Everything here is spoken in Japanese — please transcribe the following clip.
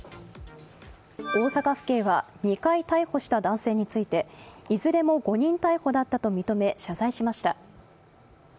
大阪府警は２回逮捕した男性についていずれも誤認逮捕だったと認め謝罪しました。